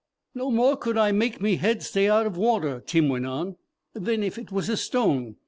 "No more could I make me head stay out of water," Tim went on, "than if it was a stone.